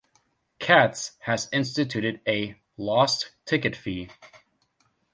Katz's has instituted a "lost ticket fee".